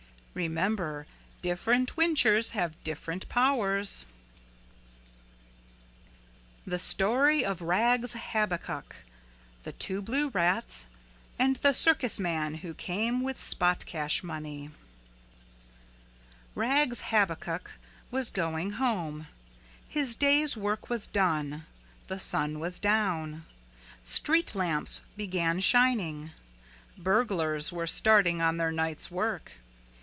Remember different whinchers have different powers. The Story of Rags Habakuk, the Two Blue Rats, and the Circus Man Who Came with Spot Cash Money Rags Habakuk was going home. His day's work was done. The sun was down. Street lamps began shining. Burglars were starting on their night's work.